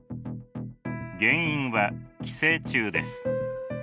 原因は寄生虫です。